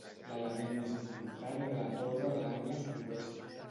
L'element més important era la torre de l'angle sud-oest.